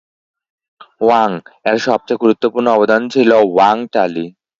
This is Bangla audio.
ওয়াং এর সবচেয়ে গুরুত্বপূর্ণ অবদান ছিল ওয়াং টালি।